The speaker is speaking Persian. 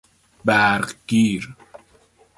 برقگیر